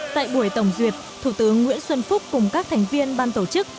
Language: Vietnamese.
tại buổi tổng duyệt thủ tướng nguyễn xuân phúc cùng các thành viên ban tổ chức